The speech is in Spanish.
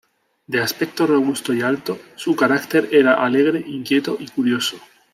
De aspecto robusto y alto, su carácter era alegre, inquieto y curioso.